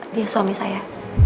dia suami saya